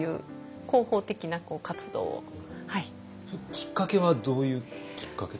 きっかけはどういうきっかけだった？